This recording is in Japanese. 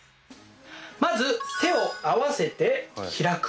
まず手を合わせて開く。